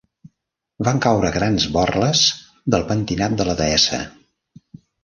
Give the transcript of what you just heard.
Van caure grans borles del pentinat de la deessa.